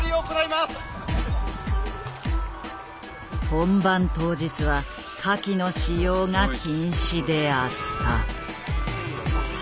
本番当日は火気の使用が禁止であった。